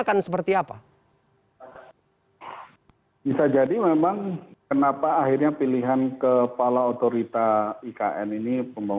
bisa jadi memang kenapa akhirnya pilihan kepala otorita ikn ini